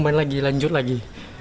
kemarin lagi lanjut lagi